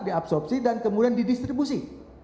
diatopsi dan kemudian didistribusi